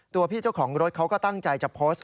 พี่เจ้าของรถเขาก็ตั้งใจจะโพสต์